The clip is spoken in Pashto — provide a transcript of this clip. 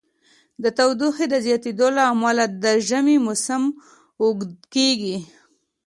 د تودوخې د زیاتیدو له امله د ژمی موسم اوږد کیږي.